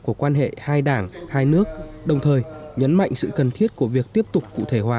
của quan hệ hai đảng hai nước đồng thời nhấn mạnh sự cần thiết của việc tiếp tục cụ thể hóa